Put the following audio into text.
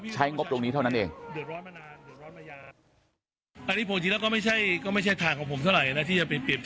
กว่าคนอื่นนะครับแต่ว่าหลายภาคการเมือง